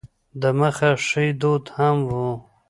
د مخه ښې دود هم و.